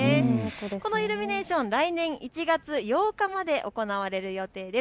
このイルミネーション、来年１月８日まで行われる予定です。